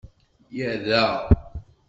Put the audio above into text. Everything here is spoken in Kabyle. Yerra.